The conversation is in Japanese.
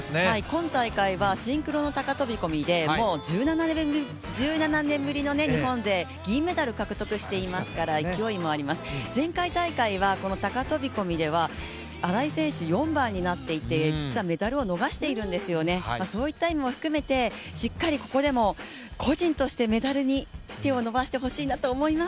今大会はシンクロの高飛び込みで１７年ぶりの日本勢銀メダル獲得していますから勢いもあります、前回大会はこの高飛び込みでは荒井選手、４番になっていて実はメダルを逃しているんですよね、そういった意味も含めてしっかり、ここでも個人としてメダルに手を伸ばしてほしいなと思います。